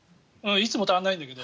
いつも足りないんだけど。